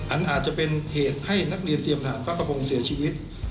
อันอาจจะเป็นเหตุให้นักเรียนเตรียมนานพกพงษ์เสียชีวิต